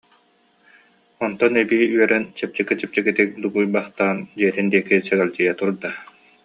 Онтон эбии үөрэн чэпчэки-чэпчэкитик дугуйбахтаан, дьиэтин диэки сэгэлдьийэ турда